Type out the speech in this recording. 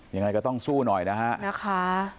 ยังไงก็ต้องสู้หน่อยนะฮะ